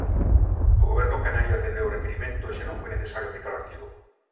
O Goberno canario atendeu o requirimento e xa non foi necesario aplicar o artigo.